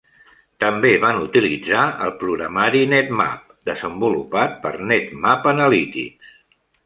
També van utilitzar el programari "NetMap" desenvolupat per NetMap Analytics.